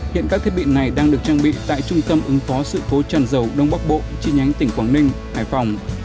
hiện các thiết bị này đang được trang bị tại trung tâm ứng phó sự cố tràn dầu đông bắc bộ chi nhánh tỉnh quảng ninh hải phòng